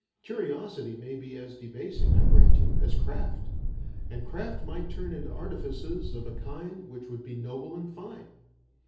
Curiosity may be as debasing, I grant you, as craft. And craft might turn into artifices of a kind which would be noble and fine.